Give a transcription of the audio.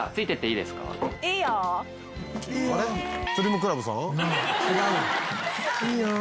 「いいーよ！！」。